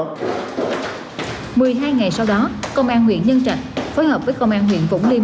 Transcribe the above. một mươi hai ngày sau đó công an huyện nhân trạch phối hợp với công an huyện vũng liêm